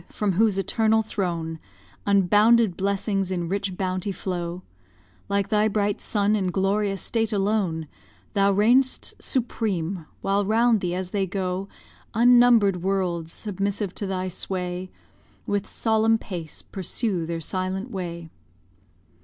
from whose eternal throne Unbounded blessings in rich bounty flow, Like thy bright sun in glorious state alone, Thou reign'st supreme, while round thee as they go, Unnumber'd worlds, submissive to thy sway, With solemn pace pursue their silent way.